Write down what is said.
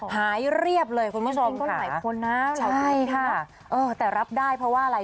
หายเรียบเลยคุณผู้ชมค่ะใช่ค่ะเออแต่รับได้เพราะว่าอะไร